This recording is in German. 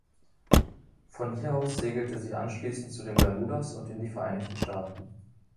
Von hier aus segelte sie anschließend zu den Bermudas und in die Vereinigten Staaten.